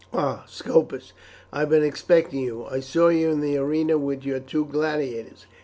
"Ah! Scopus, I have been expecting you. I saw you in the arena with your two gladiators.